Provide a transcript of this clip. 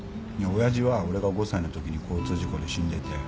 親父は俺が５歳のときに交通事故で死んでて。